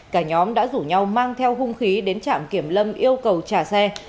cả nhóm đã rủ nhau mang theo hung khí đến trạm kiểm lâm yêu cầu trả xe